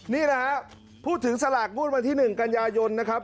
นี่แหละฮะพูดถึงสลากงวดวันที่๑กันยายนนะครับ